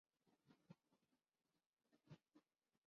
یوں کوئے صنم میں وقت سفر نظارۂ بام ناز کیا